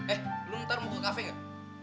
eh lu ntar mau ke kafe gak